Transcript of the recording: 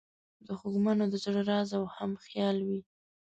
د خوږمنو د زړه همراز او همخیال وي.